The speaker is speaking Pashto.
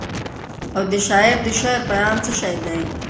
او د شاعر د شعر پیغام څه شی دی؟.